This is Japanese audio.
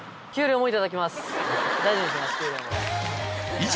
以上！